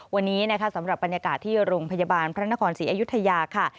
วันนี้นะคะสำหรับบรรยากาศที่โรงพยาบาลพระนครศรีอยุธยาค่ะ